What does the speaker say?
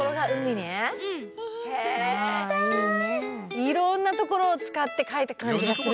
いろんなところをつかって描いたかんじがするね。